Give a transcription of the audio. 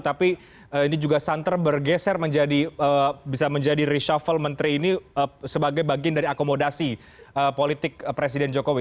tapi ini juga santer bergeser menjadi bisa menjadi reshuffle menteri ini sebagai bagian dari akomodasi politik presiden jokowi